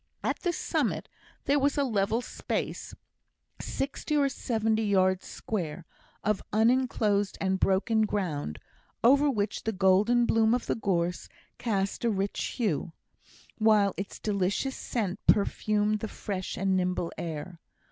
At the summit there was a level space, sixty or seventy yards square, of unenclosed and broken ground, over which the golden bloom of the gorse cast a rich hue, while its delicious scent perfumed the fresh and nimble air.